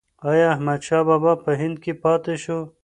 ایا احمدشاه بابا په هند کې پاتې شو؟